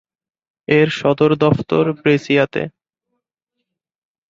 এর সদর দফতর ব্রেসিয়াতে।